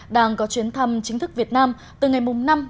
đang có chuyến thăm chính thức việt nam từ ngày năm bảy chín